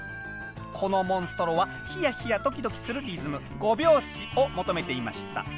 このモンストロはヒヤヒヤドキドキするリズム５拍子を求めていました。